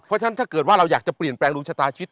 เพราะฉะนั้นถ้าเกิดว่าเราอยากจะเปลี่ยนแปลงดวงชะตาชิด